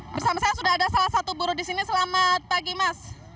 bersama saya sudah ada salah satu buruh di sini selamat pagi mas